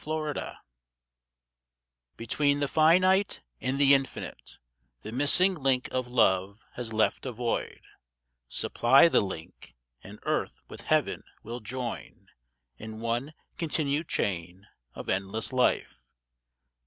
The Way. BETWEEN the finite and the infinite The missing link of Love has left a void. Supply the link, and earth with Heaven will join In one continued chain of endless life.